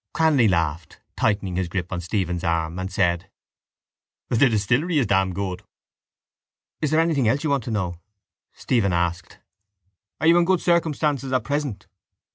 Cranly laughed, tightening his grip on Stephen's arm, and said: —The distillery is damn good. —Is there anything else you want to know? Stephen asked. —Are you in good circumstances at present?